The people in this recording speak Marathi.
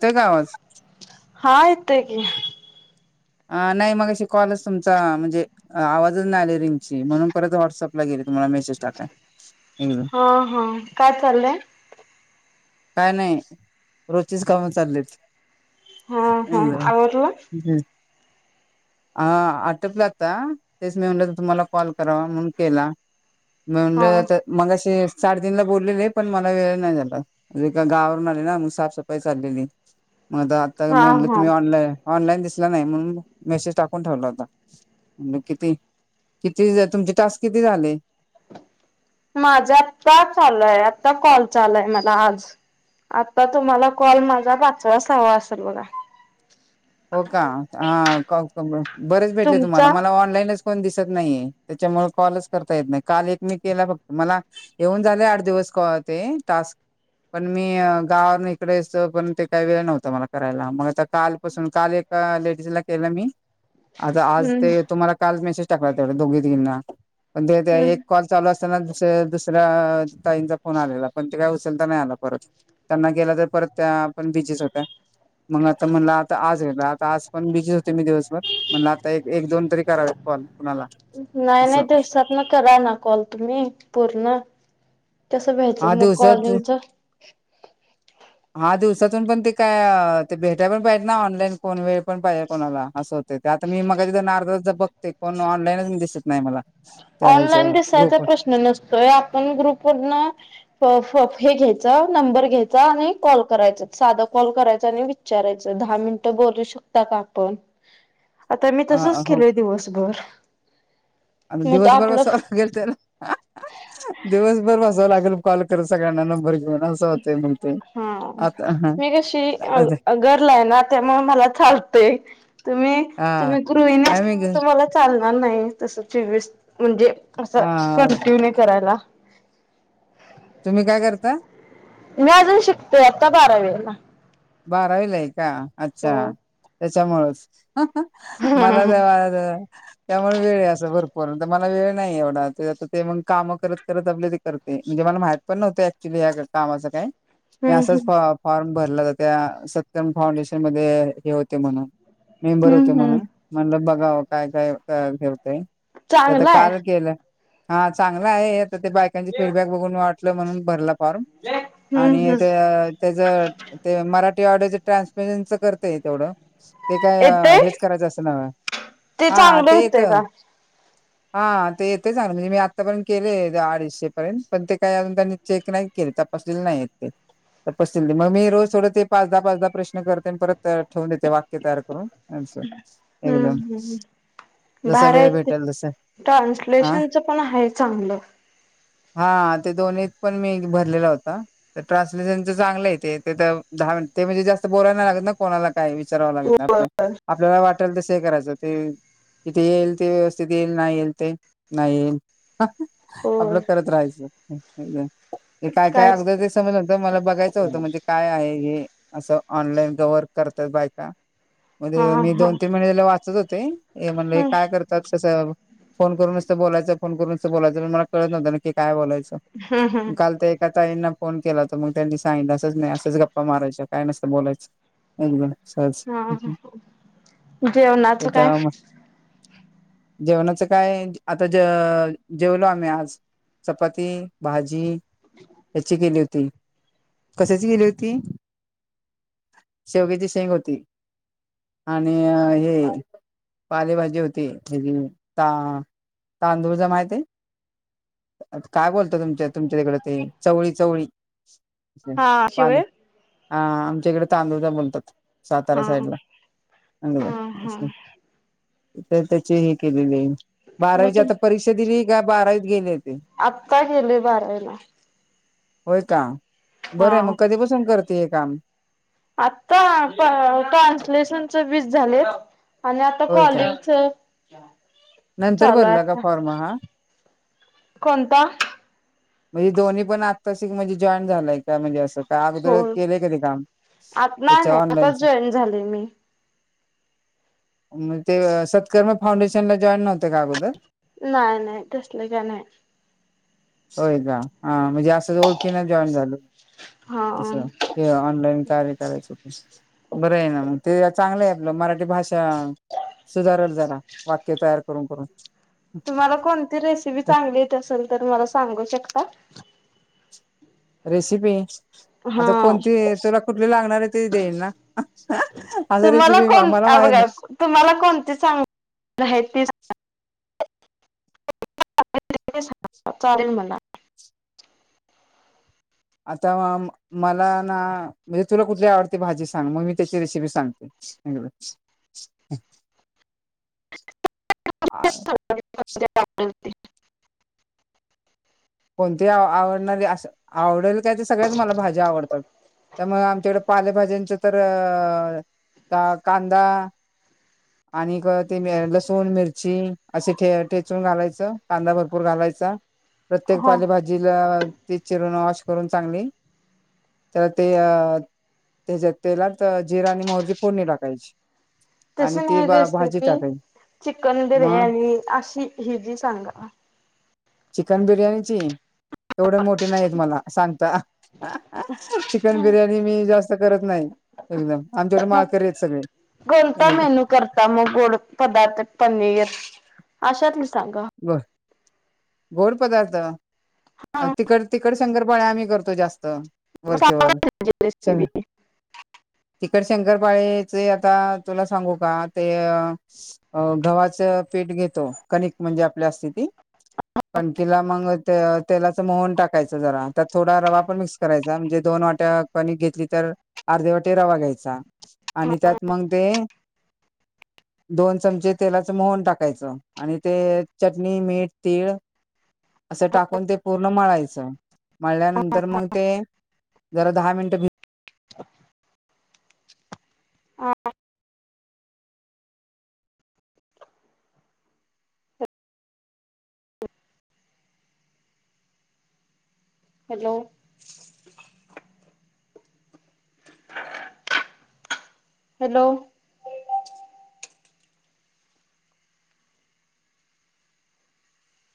ते गावास हायता क अ नाही मग अशी कॉलच तुमचा म्हणजे आवाजच नाही आले रिंगची म्हणून परत व्हॉट्सअपला गेली तुम्हाला मेसेज टाकाय एकद ह हा काय चाललंय काय नाही रोजचीच कामी चाललीत हा हा एकदा आवरलं हम हा आटपलाता तेच मी म्ह तुम्हाला कॉल करावा म्हणून केला म्हण हा आ मगाशी साडेतीन ला बोललेले आहे पण मला वेळ नाही झाला े का गावावरून आले ना मग साफसफाई चाललेली मग आता आता हा मी म्हणलं हा तुम्ही ऑनलाय ऑनलाईन दिसला नाही म्हणून मेसेज टाकून ठेवला होता. म्हणजे किती किती तुमचे टास्क किती झाले. माझा आत्ता चालूय आता कॉल चालूय मला आज. आता तुम्हाला कॉल माझा पाचवाच हवा असेल बघा. हो का हा बरेच भेटले तुमचा तुम्हाला मला ऑनलाईनच. कोण दिसत नाहीये त्याच्यामुळे कॉलच करता येत नाही काल एक मी केला फक्त मला. येऊन झाले आठ दिवस क ते टास्क. पण मी गावाून इकडेतं पण ते काही वेळ नव्हतं मला करायला मग आता काल. काल ए लेडीजला केलं मी आता आज हम्म ते तुम्हाला. काल मेसेज टाकला तेवढ दोघी तीघिना पण ते त्या एक हम्म कॉल. चालू असताना दुसऱ्या दुसऱ्या ताईंचा फोन आलेला पण ते काय उचलता नाही आला परत. त्यांना गेलं तर परत त्या पण बीजीच होत्या मग आता म्हणला. आ आज गे आता आज पण बिझीच होते मी दिवसभर म्हणलं आता एक एक दोन तरी करावे कॉल कुणाला. नाही नाही असं दिवसात ना करा ना कॉल तुम्ही पूर्ण. कसं हा घ्यायचं मग दिवसात. कॉलिंगच [inaudible] हा दिवसातून पण ते काय ते भेटाय पण पाहिजे ना ऑनलाईन कोण वेळ पण पाहिजे कोणाला असं होत. ते आता मी मगा जिथ नार्द बघते कोण ऑनलाईनच मी दिसत नाही मला. त्या ऑनलाईन ह्याच्यावर दिसायचा ग्रुपवर प्रश्न नसतोय आपण ग्रुपवरन. फ हे घ्यायचा नंबर घ्यायचा आणि कॉल करायचा साधं कॉल करायचा आणि विच विचारायचं दहा मिनिटं बोलू शकता का आपण. आता मी तसच अ हो केलय दिवसभर. अ मग दिवस आपलं बसाव लागतय ना. दिवसभर बसावं लागेल कॉल कर सगळ्यांना नंबर घेऊन असं होते मग ते. हा आता हा मी कशी गर्ल ना त्यामुळे मला चालतय. तुम्ही हा तुम्ही गृहिणी नाही मी असल्यामुळे तम्हाला चालणार नाही तस म्हणजे. असं हा कॅन्टीनिव करायला. तुम्ही काय करताय? मी अजून शिकतेय आता बारावीला. बारावीला आहे का हो अच्छा त्याच्यामूळचं. मला काय वाळद. त्यामुळे वेळ असं भरपूर मला वेळ नाही एवढा ते आ ते मग काम करत करत आपली ते करते म्हणजे मला माहित. पण नव्हत ऍक्चुली अग कामाचं काही. हम्म मीअसाच हम्म फॉर्म फॉर्म भरला ज त्या सत्यम फाउंडेशन मध्ये हे होते म्हणून. मेंबर होते हम्म हम्म म्हणून म्हणलं बघा काय काय ठेवतय. तेता चांगलाय काल केलेला हा चांगलं आहे आता ते बायकांची फीडबॅक. बघून वाटलं म्हणून भरला फॉर्म हम्म आणि हम्म त्य त्याच ते मराठी ऑडिओच ट्रान्समेशनच करतेय तेवढं ते काय येतय हेच करायचं असं नव. ते चांगले होतेय का. हा ते येतेचलं म्हणजे मी आत्तापर्यंत केले अडीचशे पर्यंत पण ते काही अजून त्यांनी चेक नाही. तपासलेले नाहीते तप मग मी रोज. थोडं ते पाचदा पाचदा प्रश्न करते परत ठेवून देते वाक्य तयार कर. अन्सार अँडव्हान्स. बाहेर आहे ते हा ट्रान्सलेशनच पण आहे चांगलं. हा ते दोन्हीत पण मी एक भरलेला होता. तर ट्रान्सलेशनच चांगलं ते तर, दहा मिनिट -ते म्हणजे जास्त बोलायला लागत ना कोणाला काय विचाराव लागत ना होय आपल. आपल्याला वाटेल तस हे करायचं ते- तिथे येईल ते व्यवस्थित येईल नाही येईल ते नाही येईल. हा हा, आपल होय करत राहायच ते काय काय कायच अगदं ते समजत होत मला बघायचं होतं म्हणजे काय आहे. हे असं ऑनलाईन वर्क करतात बायका. हा मध्ये हा मी दोन हम्म तीन महिने लय वाचत होते. हे म्हणले काय कर कस फोन करूनच बोलायचं -फोन करूनच बोलायच पण, मला कळत नव्ह ना की काय बोलायच. हम्म हम्म काल तर एका ताईंना फोन केला तर मग त्यांनी सांगितलं असंच नाही असच गप गप्पा मारायच्या काय नसत बोलायच. अवघड हा हा, जेवणाच त्याच्या काय? मग जेवणाचं काय आता ज- जेवलो आम्ही आज. चपाती, भाजी याची केली होती. कशाची केली होती? ती शेवग्याची शेंग होती. आणि हे पालेभाजी होती त -तांदूळजा माहित हे? काय बोलता तुमच्या- तुमच्या तकड ते चवळी- चवळी. हा शिवाय ह आमच्या इकडे तांदूळजा बोलतात हा सातारा साईड ला हा हा तर त्याचे हे केलेले आहे. मग बारावीच्या तू आता परीक्षा दिनी का बारावीत गेले होते. आत्ता गेले बारावीला. होय का हा बरं आहे मग कधीपसून करते हे काम. आत्ता ट्रान्सलेशनच वीस झाले. आणि आता होय का कॉलिंग च नंतर चालू भरला का आता फॉर्म हा कोणता? म्हणजे दोन्ही पण आत्तासिक म्हणजे जॉईन झालाय का? म्हणजे का हो अगोदर केले कधी काम आत नाही याच्या नाही आताच ऑनलाईनच. जॉईन झाले मी ते सत्कर्म फाउंडेशनला जॉईन नव्हते का अगोदर. नाही नाही तसले का नाही. होय का हा म्हणजे असं ओळखीन जॉईन झाल अस. हा हे ऑनलाईन कार्य करायच हो बर आहे ना मग ते चांगलं आहे आपलं मराठी भाषा. सुधारल जरा वाक्य तयार करून- करून. तुम्हाला कोणती रेसिपी चांगली येत असेल तर मला सांगू शकता? रेसिपी आता हा कोणती तुला कुठली लागणार आहे त देईन ना. आग तुम्हाला रेसिपी कोण मला अ माहि बघा ना तुम्हाला कोणतीचांगली [unintelligible] आहे ती सांगा. [inaudible] चालेल मला. आता मला ना म्हणजे तुला कुठली आवडते भाजी सांग मग मी त्याची रेसिपी सांगते. [inaudible] ते [unintelligible] [inaudible] कोणती आवडणारी अस आवडेल काय ते सगळ्याच मला भाजी आवडतात. त्यामुळे आमच्याकडें पालेभाज्यांचं तर अ कांदा [unintelligible] आणि ग ते मे लसूण मिरची असे ठे- ठेचून घालायचं कांदा भरपूर घालायचा प्रत्येक हो पालेभाजीला ती चिरून वॉश करून चांगली तर ते अ त्याच्यात तेलात जिरा आणि मोहरीची फोडणी टाकायची. तस आणि ती नाही भा भाजी रेसिपी टाकायची चिकन मग बिर्याणी अशी हि जी सांगा. चिकन बिर्याणीची एवढी मोठी नाही येत मला सांगता. चिकन बिर्याणी मी जास्त करत नाही. एकदम आमच्याकडे मग माळकरी येत सगळे. कोणता [inaudible] मेनू करता मग गोड पदार्थ पनीर अशातली सांगा. बर गोड पदार्थ अ हा तिकड तिकड शंकरपाळ्या आम्ही करतो जास्त वरच्यावर चा रेसिपी तिकट शंकरपाळेचे आता तुला सांगू का ते अ गव्हाच पीठ घेतो कणिक म्हणजे आपल्या असते ती पण तीला मग तेलाच मोहन टाकायचं जरा त्यात थोडा रवा पण मिक्स करायचा म्हणजे दोन वाट्या कणीक घेतली तर अर्धी वाटी रवा घ्यायचा. आणि त्यात मग ते दोन चमचे तेलाचं मोहन टाकायचं आणि ते चटणी मीठ तीळ असं टाकून ते पूर्ण मळायचं मळल्यानंतर मग ते जरा दहा मिनिटं भी हा. हॅलो. हॅलो.